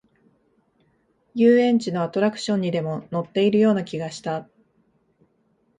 遊園地のアトラクションにでも乗っているような気がした